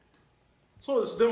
そうです。